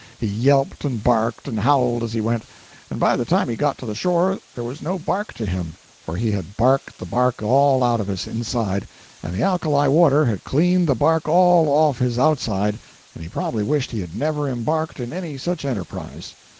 He yelped and barked and howled as he went—and by the time he got to the shore there was no bark to him—for he had barked the bark all out of his inside, and the alkali water had cleaned the bark all off his outside, and he probably wished he had never embarked in any such enterprise.